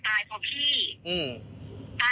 กินยาฆ่าตัวเองตาย